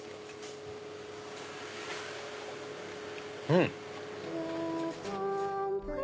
うん！